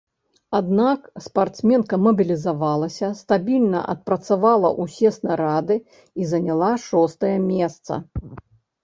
Аднак спартсменка мабілізавалася, стабільна адпрацавала ўсе снарады і заняла шостае месца.